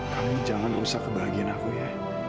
kamu jangan usah kebahagiaan aku ya